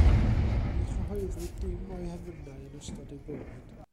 Ni chyhoeddwyd dim o'i hemynau yn ystod ei bywyd.